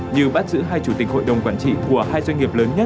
như bắt giữ hai chủ tịch hội đồng quản trị của hai doanh nghiệp lớn nhất